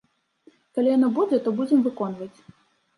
Калі яно будзе, то будзем выконваць.